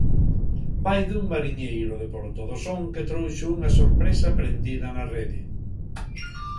Vai dun mariñeiro de Porto do Son que trouxo unha sorpresa prendida na rede.